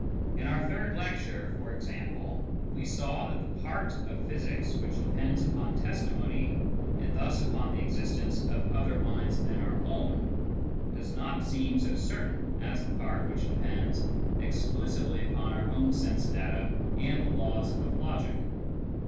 In our third lecture, for example, we saw that the part of physics which depends upon testimony, and thus upon the existence of other minds than our own, does not seem so certain as the part which depends exclusively upon our own sense data and the laws of logic.